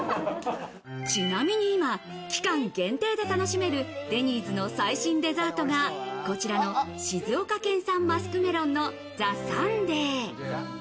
ちなみに今、期間限定で楽しめるデニーズの最新デザートがこちらの静岡県産マスクメロンのザ・サンデー。